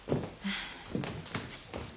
ああ。